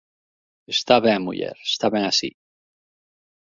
Está ben, muller, está ben así.